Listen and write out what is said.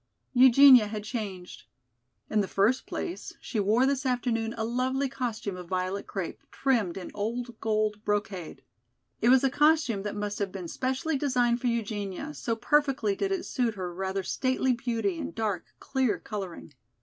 Eugenia had changed. In the first place, she wore this afternoon a lovely costume of violet crepe, trimmed in old gold brocade. It was a costume that must have been specially designed for Eugenia, so perfectly did it suit her rather stately beauty and dark, clear coloring.